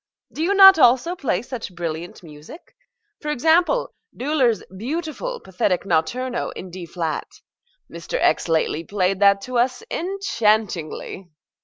Do you not also play such brilliant music? for example, Döhler's beautiful, pathetic Notturno in D flat. Mr. X. lately played that to us enchantingly.